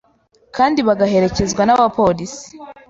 kandi bagaherekezwa n’abapolisi.